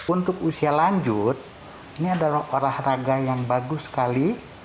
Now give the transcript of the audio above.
untuk usia lanjut ini adalah olahraga yang bagus sekali